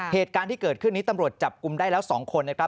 เหตุการณ์ที่เกิดขึ้นนี้ตำรวจจับกลุ่มได้แล้ว๒คนนะครับ